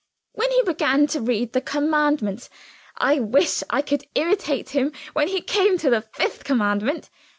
when he began to read the commandments. I wish I could imitate him when he came to the fifth commandment.